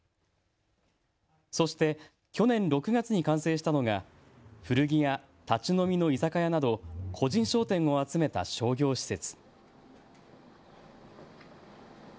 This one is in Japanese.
そして去年６月に完成したのが古着や立ち飲みの居酒屋など個人商店を集めた商業施設。